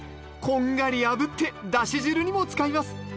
こんがりあぶってだし汁にも使います。